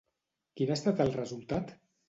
Quin ha estat el resultat?